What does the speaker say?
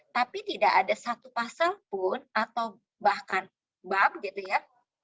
tapi tidak ada satu pasal pun atau bahkan bab gitu ya